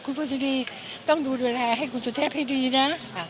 คุณพ่อสุดี้ต้องดูดูแลให้คุณสุดเทพให้ดีนะ